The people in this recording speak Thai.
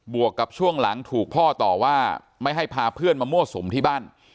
วกกับช่วงหลังถูกพ่อต่อว่าไม่ให้พาเพื่อนมามั่วสุมที่บ้าน